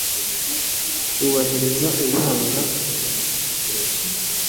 wubahiriza ibiranga umwandiko ntekerezo.